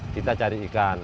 kita cari ikan